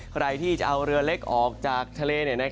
ใครที่จะเอาเรือเล็กออกจากทะเล